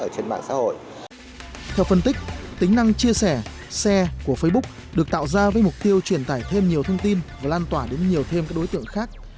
theo phân tích tính năng chia sẻ xe của facebook được tạo ra với mục tiêu truyền tải thêm nhiều thông tin và lan tỏa đến nhiều thêm các đối tượng khác